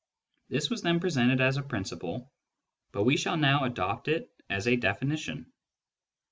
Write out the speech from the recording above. This was then presented as a principle, but we shall now adopt it as a definition.